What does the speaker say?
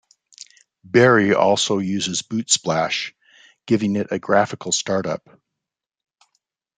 Berry also uses bootsplash, giving it a graphical startup.